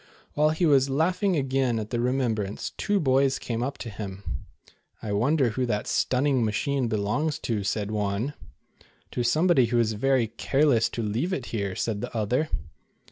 While he was laughing again at the remem brance, two boys came up to him. " I wonder who that stunning machine belongs to," said one. "To somebody who is very careless to leave it here," said the other.